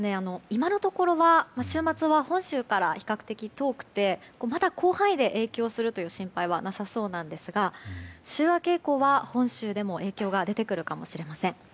今のところは週末は本州からは比較的遠くてまだ広範囲で影響するという心配はなさそうなんですが週明け以降は本州でも影響が出てくるかもしれません。